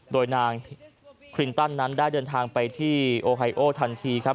โดยนางคลินตันนั้นได้เดินทางไปที่โอไฮโอทันทีครับ